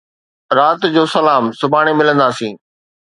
رات جو سلام. سڀاڻي ملندا سين